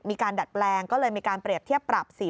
ดัดแปลงก็เลยมีการเปรียบเทียบปรับสี